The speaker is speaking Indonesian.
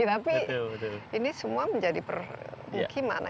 tapi ini semua menjadi permukiman